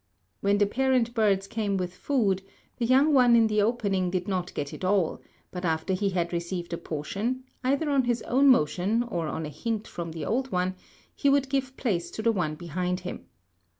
When the parent birds came with food, the young one in the opening did not get it all; but after he had received a portion, either on his own motion or on a hint from the old one, he would give place to the one behind him.